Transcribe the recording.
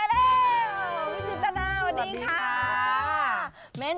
สวัสดีค่ะ